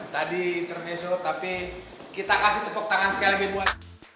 tadi intermesu tapi kita kasih tepuk tangan sekali lagi buat